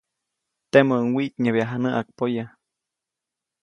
Temäʼuŋ wiʼtnyebya näʼakpoya.